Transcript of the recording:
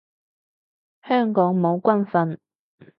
香港冇軍訓